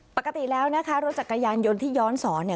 ปกติแล้วนะคะรถจักรยานยนต์ที่ย้อนสอนเนี่ย